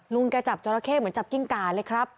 ลุงแกจับจราเข้เหมือนจับกิ้งกาเลยครับ